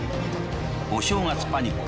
「お正月パニック！